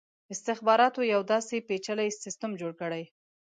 استخباراتو یو داسي پېچلی سسټم جوړ کړ.